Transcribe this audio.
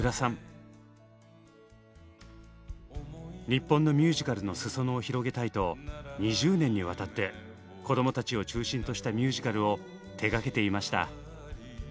日本のミュージカルのすそ野を広げたいと２０年にわたって子どもたちを中心としたミュージカルを手がけていました。